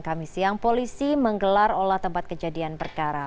pada jam sepuluh polisi menggelar olah tempat kejadian berkara